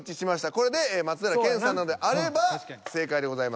これで松平健さんなのであれば正解でございます。